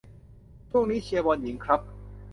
ช่วงนี้เชียร์บอลหญิงครับ